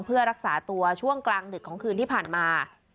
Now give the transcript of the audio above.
เพื่อรักษาตัวช่วงกลางดึกของคืนที่ผ่านมา